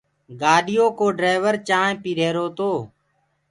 گآڏيو ڪوَ ڊليور چآنه پيٚ هيرو تو